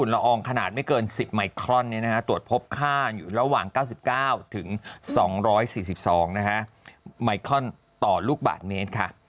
ละอองขนาดไม่เกิน๑๐ไมครอนตรวจพบค่าอยู่ระหว่าง๙๙๒๔๒ไมครอนต่อลูกบาทเมตรค่ะ